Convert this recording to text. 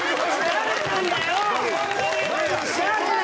誰なんだよ！